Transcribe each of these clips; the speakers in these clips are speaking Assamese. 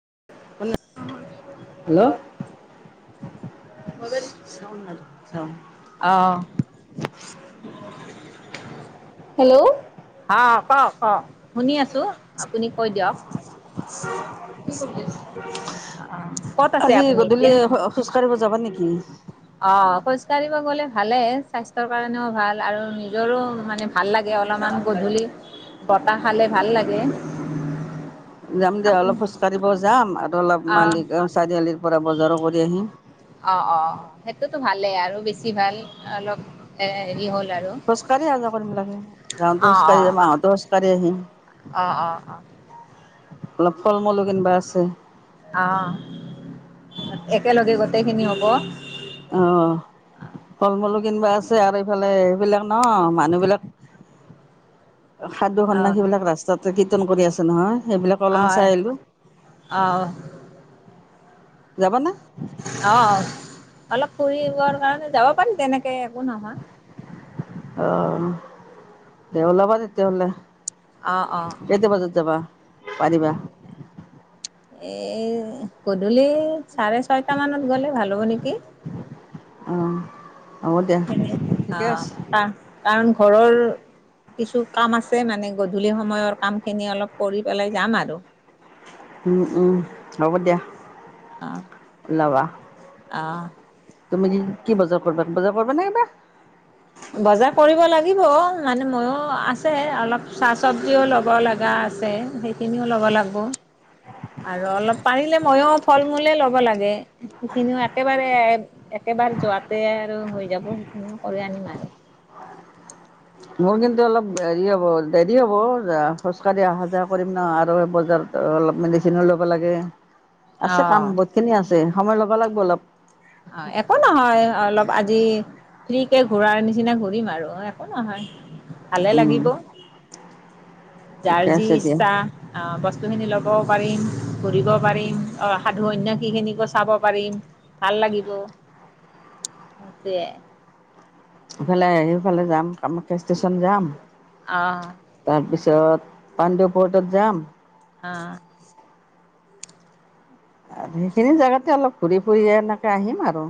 হেল্ল' অ', চওঁ হেল্ল' হা কওক কওক শুনি আছোঁ আপুনি কৈ দিয়ক ক'ত আছে আজি আপুনি এতিয়া গধূলি খোজ কাঢ়িব যাবা নেকি? অ' খোজ কাঢ়িব গলে ভালে স্বাস্থ্যৰ কাৰণেও ভাল আৰু নিজৰো মানে ভাল লাগে গতিকে অলপমান গধূলি বটাহ খালে ভাল লাগে যাম দে আপুনি অলপ খোজ কঢ়িব যাম। অলপ অ', মালিক চাৰিআলিৰ পৰা বজাৰৰ, কৰি আহিম। অ' অ' অ' সেইটোতো ভালেই আৰু বেছি ভাল অলপ এ হেৰি হ'ল আৰু খোজ কাঢ়ি আহ যোৱা কৰিম লাগে যাওঁতেও অ', অ', খোজকাঢ়ি আহতো তেওঁ খোজকাঢ়ি আহিম। অ', অ', অ', অলপ ফল মুলো কিনিব আছে। অ' একেলগে গোটেই খিনি হব অ' ফলমূল কিনবা আছে আৰু এইফালে সেইবিলাক ন মানুহ বিলাক সাধু সন্যাসী অ', বিলাক ৰাস্তাতে কিও ন কৰি আছে নহয়। সেইবিলাক অলম অ', চাইলো, অ', যাবা নে? অ' অলপ ফুৰিবৰ কাৰণে, যাব পাৰিম তেনেকে একো নহয়। অ' দে ওলাবা তেতিয়াহ'লে। অ', অ', কেইটা বজাত যাবা পাৰিবা? এই গধূলি চাৰে ছয়টা মানত গ'লে ভাল হ'ব নেকি? অ'। অ' কাৰণ ঘৰৰ কিছু কাম আছে মানে, গধূলি সময়ৰ কামখিনি অলপ কৰি পেলাই যাম আৰু। উম, উম। হ'ব দিয়া অ', উলাবা। অ'। তুমি কি বজাৰ কৰিবা, বজাৰ কৰিবা নে কিবা? বজাৰ কৰিব লাগিব মানে মোৰো আছে, অলপ চাহ চবজিওঁ ল'ব লগা আছে সেইখিনিও ল'ব লাগিব। আৰু অলপ পাৰিলে ময়ো ফল-মূলে ল'ব লাগে। সেইখিনিও একেবাৰে যোৱাতে আৰু হৈ যাব সেইখিনিও কৰি আনিম আৰু। মোৰ কিন্তু অলপ হেৰি হ'ব দেৰি হ'ব, খোজ কাঢ়ি অহা-যোৱা কৰিম ন আৰু বজাৰত অলপ মেডিচিনো লব লাগে। আছে অঁ কাম, বহুত খিনি আছে। সময় ল'ব লাগিব অলপ। অ' একো নহয়, অলপ আজি। ফ্ৰী ঘূৰাৰ নিচিনা ঘূৰিম আৰু একো নহয়। ভালে উম লাগিব, যাৰ ঠিকে যি আছে দিয়া ইচ্ছা অ বস্ত। বস্তুখিনি ল'বও পাৰিম, ঘূৰিব পাৰিম অ, সাধু অন্য কি খিনিকো চাব পাৰিম। ভাল লাগিব সেইটোৱয়ে। ইফালে সিফালে যাম কামাখ্যা ষ্টেশচন যাম। অহ। তাৰপিছত পাণ্ডুপুৰটত যাম। অ'। আৰু সেইখিনি জোগাতে অলপ ঘূৰি ফুৰি এনেকে আহিম আৰু।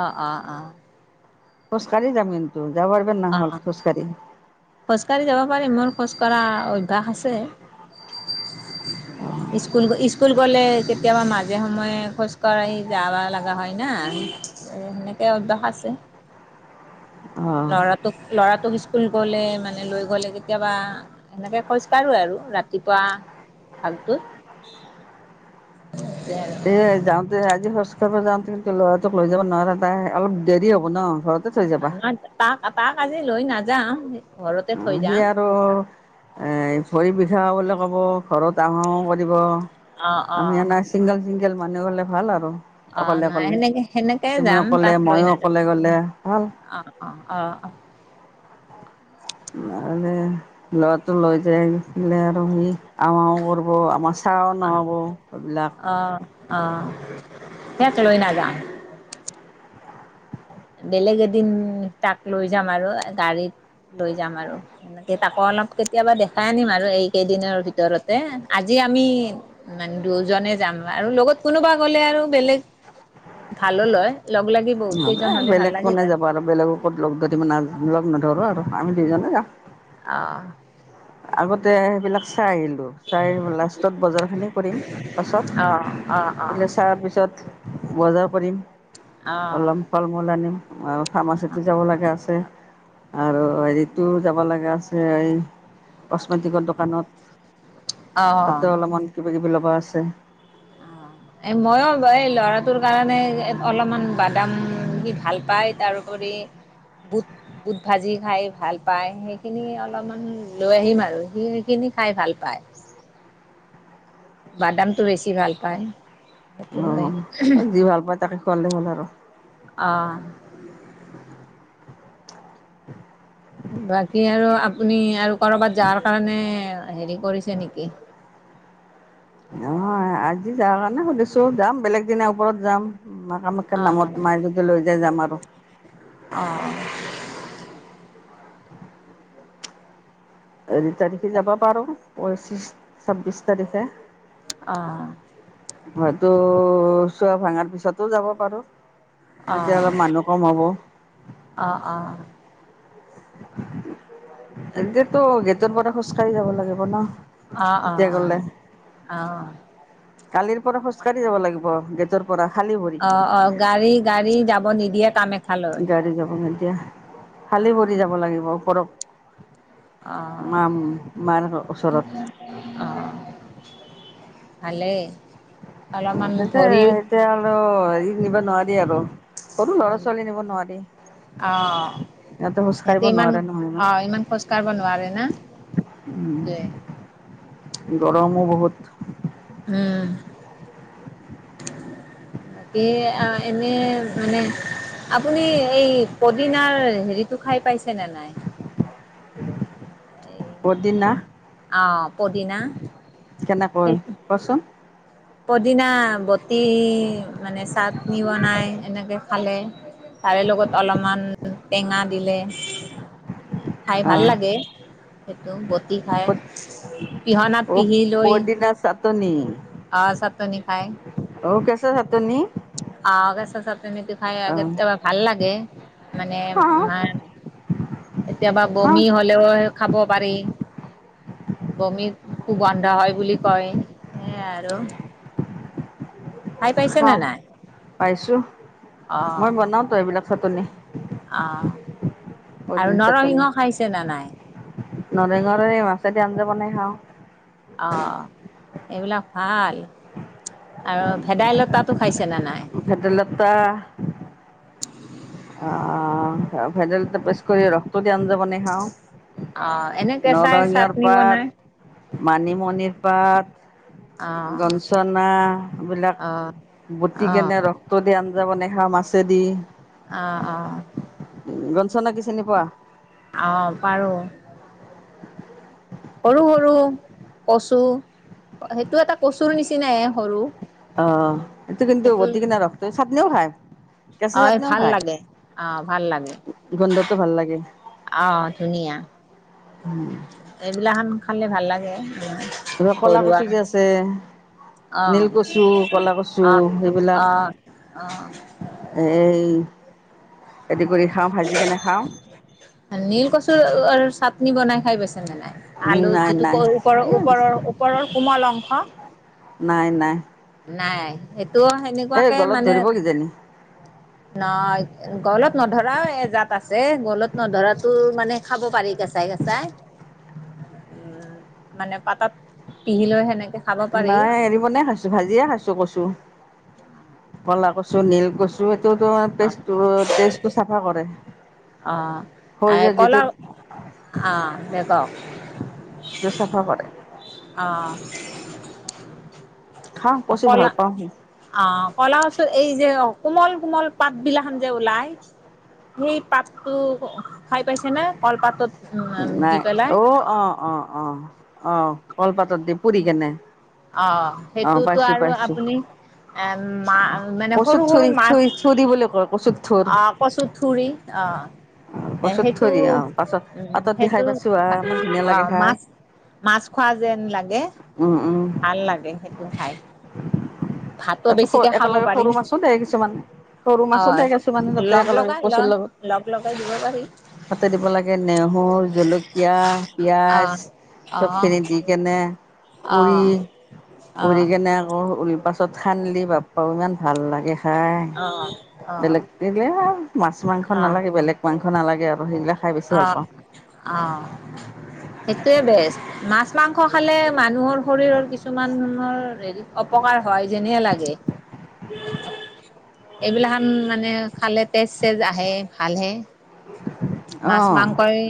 অ -অ -অ। খোজকাঢ়ি যাম কিন্তু। যাব পাৰিবা নহ'ল অ' খোজকাঢ়ি খোজকাঢ়ি যাব পাৰিম মোৰ খোজ কঢ়া। কাহ আছে। স্কুল। গ'লে কেতিয়াবা মাজে-সময়ে খোজ কাঢ়ি যাব লগা হয়। হয় নে সেনেকে অভ্যাস। আছে। অ'। ল'ৰাটোক ল'ৰাটোক স্কুল গ'লে মানে লৈ গলে কেতিয়াবা সেনেকে খোজকাঢ়ো আৰু ৰাতিপুৱা ভাগটোত। এ যাওঁতে আজি খোজ কাঢ়িব যাওঁতে ল'ৰাটোক লৈ যাব নোৱাৰা তাই অলপ দেৰি হ'ব ন ঘৰত। না তাক তক আজি লৈ নায যাম। সি আৰু এ ভৰি বিষা বুলি ক'ব ঘৰত আহাও কৰিব অঁ আমি অঁ এ চিংগল চিংগল মানে গ'লে ভাল আৰু। অ' অকলে নাই অকলে সেনেকে সেনেকে তুমি যাম অকলে তাক লৈ ময়ো নাযাম অকলে গ'লে ভাল অ' অ' অ' অ' আৰু লৰাটো লৈ যাইছিলে আৰু সি আহো আহো কৰিব আমাৰ। চাহ নহ'বো সেইবিলাক। অহ সিয়াক লৈ নাযাওঁ। বেলেগ এদিন তাক লৈ যাম আৰু গাড়ীত লৈ যাম আৰু সনেকে তাকো অলপ কেতিয়াবা দেখাই আনিম আৰু এইকেইদিনৰ ভিতৰতে আজি আমি দুজনে যাম আৰু লগত কোনোবা গ'লে আৰু বেলেগ ভালো লয়। লগ লাগি বহু তে। এ বেলেগকোনে যাবা আৰু বেলেগক ক'ত লগ ধৰিব না। আমি লগ নধৰো আৰু আমি দুজনে যামওঁ। অঁ। আগতে। এইবিলাক চাই আহিলোঁ চাই লাষ্টত বজাৰখিনি কৰিম অ অ পাছত দ চাৰ পিছত। বজাৰ কৰিম। অ অলাম ফাল মূল আনিম। অঁ। ফাৰ্মাচিটি যাব লগা আছে। আৰু হেৰিতটো যাব লগা আছে এই কচমেটিকৰ দোকানত অ তাতে অলপমান কিবা- কিবি লব আছে। এই ময়ো এই ল'ৰাটোৰ কাৰণে অলপমান বাদাম সি ভাল পায় তাৰোপৰি বুট- বুট ভাজি খাই ভাল পায়, সেইখিনি অলপমান লৈ আহিম আৰু সি সেইখিনি খাই ভাল পায়। বাদামটো বেছি ভাল পায়। সেইটো লৈ অ' যি ভাল পা তাকে খুৱালে হ'ল আৰু। অঁ। বাকী আৰু আপুনি আৰু কৰবাত যোৱাৰ কাৰণে হেৰি কৰিছে নেকি? নহয় আজি যাৱ কাৰণে সুধিছো যাম বেলেগ দিনা ওপৰত যাম। মা কামাখ্যাৰ অঁ নামত মায়ে যদি লৈ যায় যাম আৰু। অঁ হেৰি তাৰিখে যাবা পাৰো, পঁচিশ। ছাব্বিশ তাৰিখে। অ। হয়টো চোৱা, ভাঙাৰ পিছতো যাব পাৰোঁ। অঁ তেতিয়া অলপ অঁ মানুহ কম হ'ব। অঁ অঁ [unintelligible] এনেটো গেটত পৰা খোজ কাঢ়ি যাব লাগে হয় ন অ' এতিয়া গ'লে অ' অ' অ'। কালিৰ পৰা খোজকাঢ়ি যাব লাগিব। গেটৰ পৰা খালী ভৰি। অ' অ' গাড়ী-গাড়ী যাব নিদিয়ে, কামে গাড়ী যাব নিদিয়ে, খালি ভৰি অ', যাব লাগিব। পৰক। অ', মাম মাৰ ঘৰ ওচৰত। ভালে। তেন্তে এতিয়া আৰু হেৰি নিব নোৱাৰি আৰু। সৰু লৰা উম, ছোৱালী নিব নোৱাৰি। অ', সিহঁতে খোজ কাঢ়িব নোৱাৰে নহয় ন, অ', ইমান খোজ কাঢ়িব নোৱাৰে না উম সেইটোৱে গৰম। বহুত। উম, বাকী অ এনে মানে আপুনি এই পদিনাৰ হেৰিটো খাই পাইছেনে নাই? এই বহুত দিন না অ পদিনা। হয় সেই কচোন? পদিনা বত বতি মানে চাটনি বনায়। এনেকৈ খালে তাৰে লগত অলপমান টেঙা দিলে। খাই ভাল লাগে। সেইটো বত পদছ অ পদিনা চাতনি। অ চাতনি খায়। চাটনি অ কেছা চাটনিটো খাই অ আগত বা ভাল লাগে। মানে খাওঁ মাৰ কেতিয়াবা খাওঁ বমি হ'লেও হয়। খাব পাৰি বমিত কুগন্ধ হয় বুলি কয়। [unintelligible] আৰু খাই পাইছে নে নাই [unintelligible] পাইছো অ মই বনাও তো এইবিলাক চাটনি অ আৰু পদিনা নৰসিংহ খাইছে ন নাই? নৰসিংহৰে মাছেদি আঞ্জা বনাই খাওঁ অ এইবিলাক ভাল আৰু ভেদাইলতাটো খাইছেনে নাই? ভেদাইলতা আহ, ভেদাইলতা পেছ কৰি ৰসটো দি আঞ্জা বনাই খাও অ, এনে কেচাই চাটনি পাত বনাই মানিমুনিৰ অ পাত গঞ্চনা বিলাক অ বুতি অ কেনে ৰক্ত দ [unintelligible] মাছেদি অ, অ চনাকি চিনি পোৱা? অঁ পাৰো। সৰু সৰু কচু সেইটো এটা কচুৰ নিচিনাই সৰু। অঁ, অঁ। এইটো কিন্তু সেইটো বতি কিনে ৰসটো, চাটনিও খায়। কেঁচা অ' চাটনিও ভাল খায় লাগে, আহ ভাল লাগে, গোন্ধটো ভাল লাগে আহ ধুনীয়া। এইবিলাখান খালে ভাল লাগে এই ক'লা ঘৰুৱা কচু যে আছে অ' নীলকচু কলা কচু অ' সেইবিলাক অ' অ' এ এই হেৰি কৰি খাওঁ ভাজি কেনে খাওঁ নীল কচুৰ [unintelligible] চাটনি বনাই খাই পাইছেনে নাই? উম আলু নাই যিটো নাই [unintelligible] ওপৰৰ ওপৰৰ ওপৰৰ কোমল অং নাই নাই নাই তো এই সেনেকুৱাকে গলত মানে ধৰিব কিজানি নাই গলত নধৰাও এজাত আছে গলত নধৰাতো মানে খাব পাৰি কেঁচাই কেচাই উম মানে পাতত পিহি লৈ সেনেকে খাব পাৰি নাই [unintelligible] খাইছো ভাজি [unintelligible] খাইছো কচু কলা কচু, নীল কচু [unintelligible] অ তেজ তেজটো চাফা কৰে অ এই শৰীৰ যিটো কলা অ দে কওক [unintelligible] চাফা কৰে। খাওঁ অ' কচু ভাল কলা পাওঁ অ' কলাকচু এই যে কোমল কোমল পাত বিলাখান যে ওলাই সেই পাতটো খাই পাইছে ন কল পাতত নাই অও অ', অ', অ'। অ' কলপাতত দি পুৰি কেনে। অ' অ' সেইটোতো পাইছো আৰু পাইছো আপুনি এ মা মানে কচুত সৰু সৰু থুৰি মাছ থুৰি থুৰি বুলি কয় কচুত থুৰ অ' কচু ঠুৰি অ'। অ'। এ কচুত সেইটো থুৰি অ' পাছত উম পাতত দি খাই সেইটো পাইছো আহ ইমান ধুনীয়া লাগে অ' খাই মাছ মাছ খোৱা যেন লাগে। উম উম ভাল লাগে সেইটো খাই। ভাতো তা বেছিকে খাব একেলগে পাৰি সৰু মাছো দে কিছুমানে সৰু মাছো অ', দে কিছুমানে তাতে লগ একেলগে লগাই ল কচুৰ লগত। লগ লগাই দিব পাৰি। তাতে দিব লাগে নেহৰু জলকীয়া পিয়াজ অ', অ', চবখিনি দি কেনে পুৰি অ', অ', পুৰি অ', কেনে আকৌ ত'ত সানি বাপ পাও ইমান ভাল লাগে। খাই অ', বেলেগ তিপ্তী দিলে। মাছ মাংস অ নালাগে বেলেগ মাংস নালাগে আৰু সেইবিলাক খাই বেছি অ ভাল পাওঁ। অ সেইটোৱে বেষ্ট মাছ মাং স খালে মানুহৰ শৰীৰৰ কিছুমানৰ হেৰি অপকাৰ হয় যেনে লাগে। এইবিলাহান মানে খালে তেজ চেজ আহে ভালহে। মাছ অ' মাংসই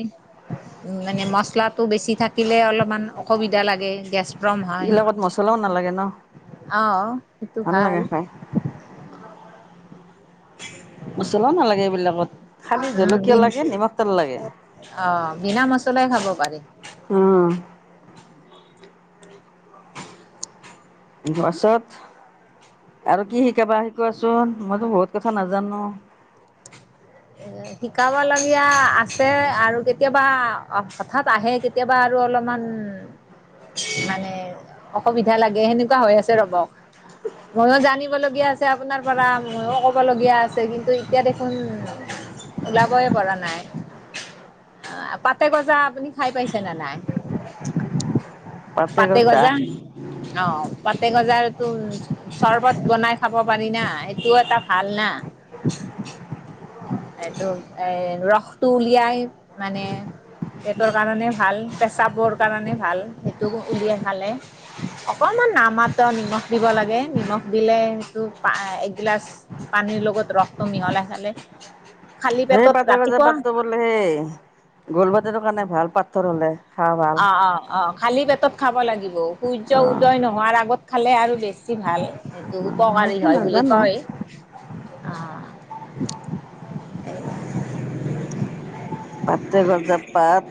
মানে মছলাটো বেছি থাকিলে অলপমান অসুবিধা লাগে গেছ প্ৰম ই হয় লগত মছলাও নালাগে ন অ সেইটো ভাল। লাগে খাই মচলা নালাগে এইবিলাকত। খালি উ বি জলকীয়া লাগে নিমখ তেল লাগে। আহ বিনা মচলাই খাব পাৰি। গছত আৰু কি শিকাবা শিকোৱাচোন মইতো বহুত কথা নাজানো। শিকাবলগীয়া আছ তে আৰু কেতিয়াবা হঠাৎ আহে কেতিয়াবা আৰু অলপমান মানে অসুবিধা লাগে সেনেকুৱা হৈ আছে ৰব। ময়ো জানিবলগীয়া আছে আপোনাৰ পৰা ময়ো ক'বলগীয়া আছে। কিন্তু এতিয়া দেখোন ওলাবই পৰা নাই আ পাতে গজা আপুনি খাই পাইছেনে নাই? পাতে গজা অ পতে গজাৰ তোৰ চৰ্বত বনাই খাব পাৰি না সেইটোও এটা ভাল না। এইটো এ ৰসটো উলিয়াই মানে পেটৰ কাৰণে ভাল পেচাবৰ কাৰণে ভাল সেইটো উলিয়াই খালে অকণমান নামাত্ৰ নিমখ দিব লাগে নিমখ দিলে সেইটো একগিলাচ পানীৰ লগত ৰসটো মিহলাই খালে খালী সেই পেটত পাতে কজা ৰাতিপুৱা পাতটো বোলে সেই গোল পাটটো কাৰণে ভাল পাত [inaudible] তৰে [inaudible] অ' অ' অ' খালী পেটত খাব লাগিব সূৰ্য অ' উদয় নোহোৱাৰ আগত। খালে আৰু বেছি বেছি ভাল সেইটো উপকাৰী সেইটো হয় বুলি নাজানো কয়, অ' স পাত গজা পাত।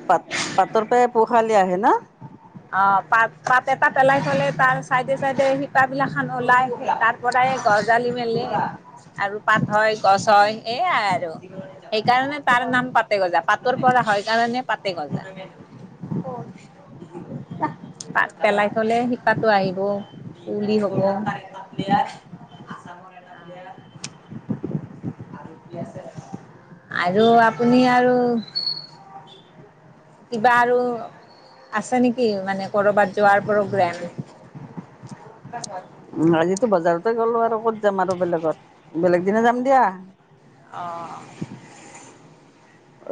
পাতৰ পৰা পো খালি। [inaudible] এতিয়া আহে ন। অ' পাত পাত এটা পেলাই থলে, তাৰ চাইডে - চাইডে। পোখা ওলাই, তাৰ পৰাই গজালি মেলি আৰু পাত। হয়, গছ হয় সেয়াই আৰু। সেইকাৰণে তাৰ নাম পাতেগজা পা গছৰ পৰা হয় কাৰণে, পাত [inaudible] পাত পেলাই থলে শিপা আহিব পুলি হব। আৰু আপুনি আৰু কিবা আছে নেকি মানে, কৰবাত যোৱাৰ প্ৰগ্ৰেম? উম, আজিতো বজাৰতে গ'লো আৰু ক'ত যাম, আৰু বেলেগত বেলেগ দিনা যাম দিয়া। অ'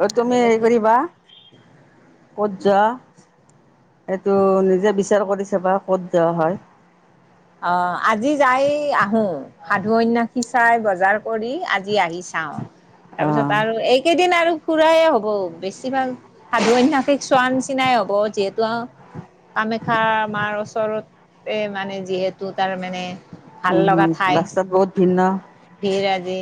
অ তুমি হেৰি বেলেগ কৰিবা। ক'ত যোৱা এইটো নিজে বিচাৰ কৰিছে বা ক'ত যোৱা হয়। আহ আজি যাই আহো সাধু-সন্ন্যাসী চাই বজাৰ কৰি আজি আজি আহি চাওঁ। তাৰপিছত অ' আৰু এইকেইদিন আৰু ফুৰা এ হ'ব বেছি ভাগ, সাধু সন্ন্যাসী চোৱা, নে চিনাই হ'ব যিহেতু আহ, কামাখ্যা মাৰ ওচৰত, এ মানে যিহে তো তাৰ মানে। উম উম ৰাস্তাত বহুত ভিন্ন, ভিৰ আজি